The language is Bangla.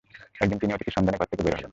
একদিন তিনি অতিথির সন্ধানে ঘর থেকে বের হলেন।